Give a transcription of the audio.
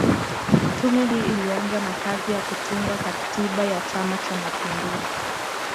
Tume hii ilianza na kazi ya kutunga katiba ya Chama Cha Mapinduzi